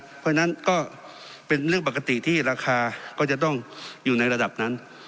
เพราะฉะนั้นก็เป็นเรื่องปกติที่ราคาก็จะต้องอยู่ในระดับนั้น